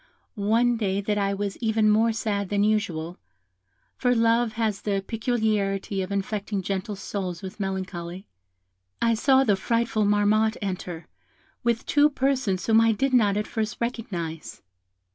One day that I was even more sad than usual for love has the peculiarity of infecting gentle souls with melancholy I saw the frightful Marmotte enter, with two persons whom I did not at first recognise.